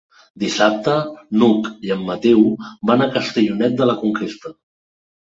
Dissabte n'Hug i en Mateu van a Castellonet de la Conquesta.